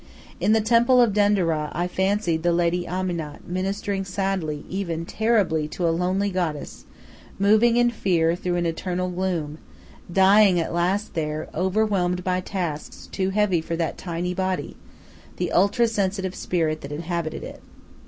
In the temple of Denderah I fancied the lady Amanit ministering sadly, even terribly, to a lonely goddess, moving in fear through an eternal gloom, dying at last there, overwhelmed by tasks too heavy for that tiny body, the ultra sensitive spirit that inhabited it.